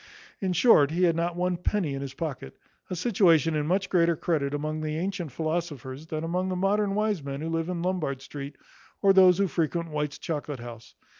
In short, he had not one penny in his pocket; a situation in much greater credit among the antient philosophers than among the modern wise men who live in Lombard street, or those who frequent White's chocolate house.